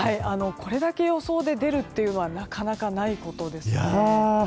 これだけ予想で出るというのはなかなかないことです。